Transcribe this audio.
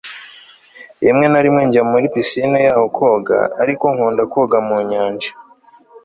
rimwe na rimwe njya muri pisine yaho koga, ariko nkunda koga mu nyanja